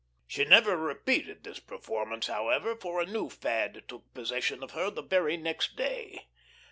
She never repeated this performance, however, for a new fad took possession of her the very next day.